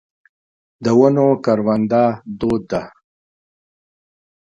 د ونو کرونده دود ده.